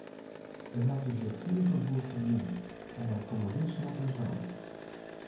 It hat ús hjir tige goed foldien en wy komme wis noch ris werom.